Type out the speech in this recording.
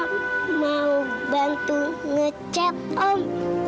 mau bantu ngechat om